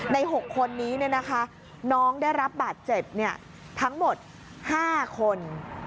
ใน๖คนนี้น้องได้รับบาดเจ็บทั้งหมด๕คน